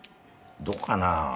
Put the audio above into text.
どうかなぁ？